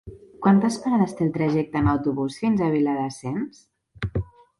Quantes parades té el trajecte en autobús fins a Viladasens?